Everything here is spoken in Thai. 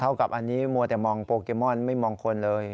กับอันนี้มัวแต่มองโปเกมอนไม่มองคนเลย